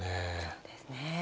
そうですね。